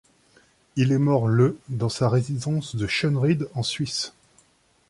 Il est mort le dans sa résidence de Schönried en Suisse.